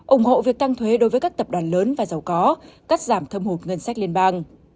ủng hộ việc tăng thuế đối với các tập đoàn lớn và giàu có cắt giảm thâm hụt ngân sách liên bang